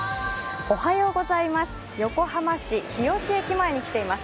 横浜市、日吉駅前に来ています。